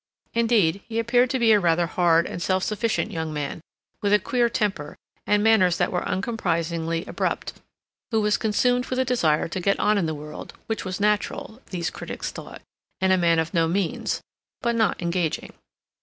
Indeed, he appeared to be rather a hard and self sufficient young man, with a queer temper, and manners that were uncompromisingly abrupt, who was consumed with a desire to get on in the world, which was natural, these critics thought, in a man of no means, but not engaging.